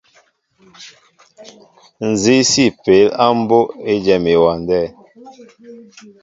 Nzi si peel á mbóʼ éjem ewándέ ?